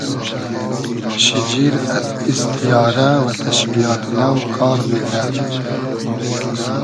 شیجیر از ایستیارۂ و تئشبیات نۆ کار میگرۂ